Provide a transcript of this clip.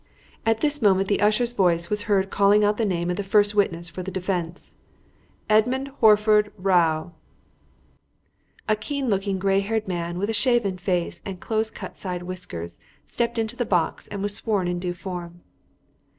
At this moment the usher's voice was heard calling out the name of the first witness for the defence. "Edmund Horford Rowe!" A keen looking, grey haired man, with a shaven face and close cut side whiskers, stepped into the box and was sworn in due form.